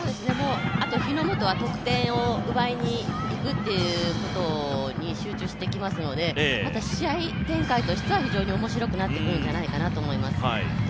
もう、あと日ノ本は得点を奪いにいくっていうことに集中できますので、試合展開としては非常におもしろくなってくるんじゃないかなと思います。